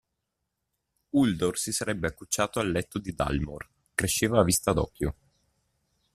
Uldor si sarebbe accucciato al letto di Dalmor: cresceva a vista d'occhio.